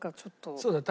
そうだよ。